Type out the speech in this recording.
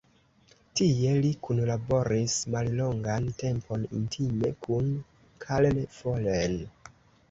Tie li kunlaboris mallongan tempon intime kun Karl Follen.